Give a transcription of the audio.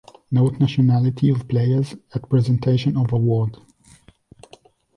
Note nationality of players at presentation of award.